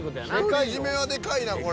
独り占めはでかいなこれ。